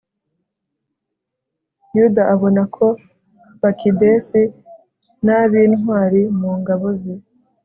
yuda abona ko bakidesi n'ab'intwari mu ngabo ze